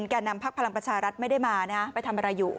แก่นำพักพลังประชารัฐไม่ได้มานะไปทำอะไรอยู่